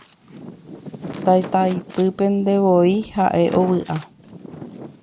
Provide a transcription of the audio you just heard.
Tataypypentevoi ha'e ovy'ave.